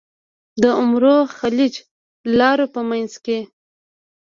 د عمرو خلیج لرو په منځ کې.